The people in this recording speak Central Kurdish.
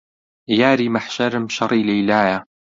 یاری مەحشەرم شەڕی لەیلایە